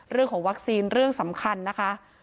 เรื่องของวัคซีนเรื่องสำคัญนะคะ